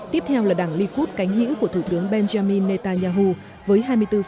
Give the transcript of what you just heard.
tiếp theo là đảng likud cánh hữu của thủ tướng benjamin netanyahu với hai mươi bốn